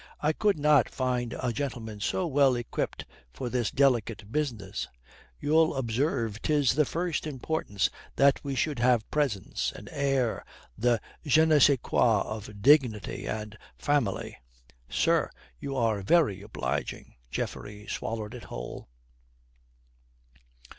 I could not find a gentleman so well equipped for this delicate business. You'll observe, 'tis of the first importance that we should have presence, an air, the je ne sais quoi of dignity and family." "Sir, you are very obliging." Geoffrey swallowed it whole.